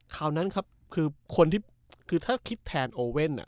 คราวนั้นครับคือคนที่คือถ้าคิดแทนโอเว่น